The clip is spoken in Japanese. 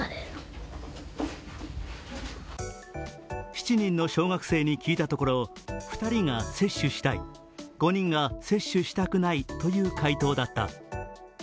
７人の小学生に聞いたところ、２人が接種したい、５人が接種したくないという回答だった。